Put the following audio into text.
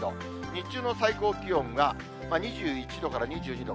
日中の最高気温が２１度から２２度。